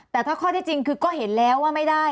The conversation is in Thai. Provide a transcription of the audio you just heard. แต่ถ้าข้อที่จริงคือก็เห็นแล้วว่าไม่ได้